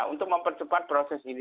untuk mempercepat proses ini